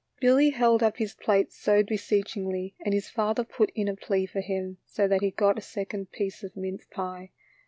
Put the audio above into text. Billy held up his plate so beseechingly and his father put in a plea for him, so that he got a second piece of mince pie.